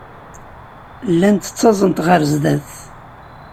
Llant ttaẓent ɣer sdat.